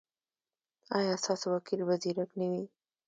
ایا ستاسو وکیل به زیرک نه وي؟